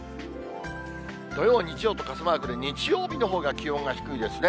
土曜、日曜と傘マークで日曜日のほうが気温が低いですね。